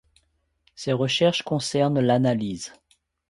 Ses recherches concernent l'Analyse.